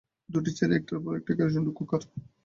দুটি চেয়ারের একটার ওপর কেরোসিন কুকার।